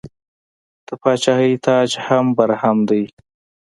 د پاچاهۍ تاج مو برهم دی.